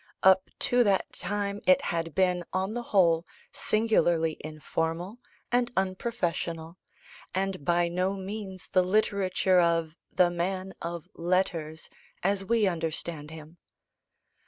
Up to that time it had been, on the whole, singularly informal and unprofessional, and by no means the literature of the "man of letters," as we understand him.